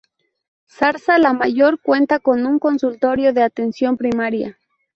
Zarza la Mayor cuenta con un consultorio de atención primaria.